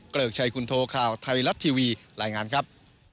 ริกชัยคุณโทข่าวไทยรัฐทีวีรายงานครับ